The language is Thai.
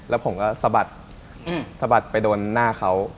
แล้วผมก็สะบัดสะบัดไปโดนหน้าเขา